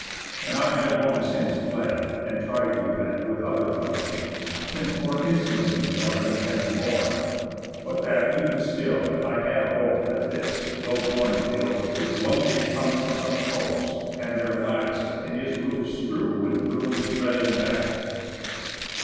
And I had long since fled, and tried th' event With other proud kings, since more insolent These are than can be borne, but that ev'n still I had a hope that this, though born to ill, Would one day come from some coast, and their last In his roofs strew with ruins red and vast."